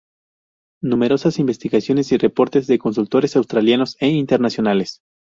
Numerosas investigaciones y reportes de consultores Australianos e Internacionales.